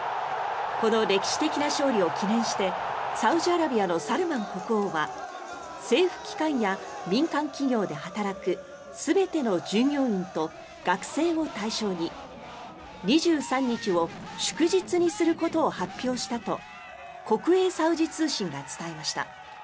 この歴史的な勝利を記念してサウジアラビアのサルマン国王は政府機関や民間企業で働く全ての従業員と学生を対象に２３日を祝日にすることを発表したと国営サウジ通信が伝えました。